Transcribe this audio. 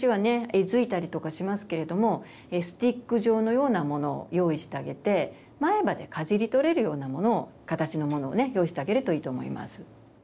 えずいたりとかしますけれどもスティック状のようなものを用意してあげて前歯でかじり取れるようなものを形のものをね用意してあげるといいと思います。